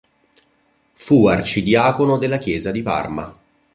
Fu arcidiacono della chiesa di Parma.